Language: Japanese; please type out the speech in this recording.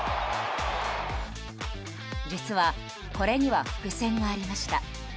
実はこれには伏線がありました。